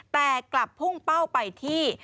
แต่กลับพุ่งเป้าไปที่